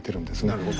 なるほど。